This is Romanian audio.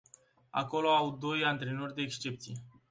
Acolo au doi antrenori de excepție.